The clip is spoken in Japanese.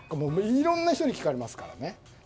いろんな人に聞かれますからね。